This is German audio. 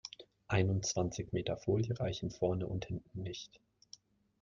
Einundzwanzig Meter Folie reichen vorne und hinten nicht.